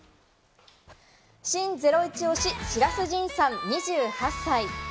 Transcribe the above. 新ゼロイチ推し、白洲迅さん、２８歳。